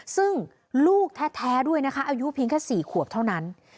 ซึ่งลูกแท้ด้วยนะคะอายุเพียงแค่๔ขวบเท่านั้น